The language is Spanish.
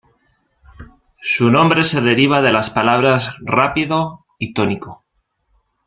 Su nombre se deriva de las palabras "rápido" y "tónico".